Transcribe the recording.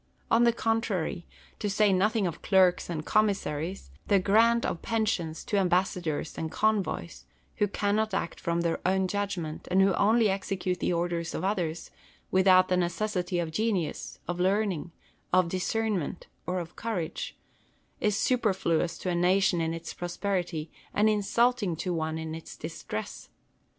On the contrary, to say nothing of clerks and commissaries, the grant of pensions to ambassadors and envoys, who cannot act from their own judgment, and who only execute the orders of others, with out the necessity of genius, of learning, of discernment, or of courage, is superfluous to a nation in its prosperity, and insulting to one in its distress.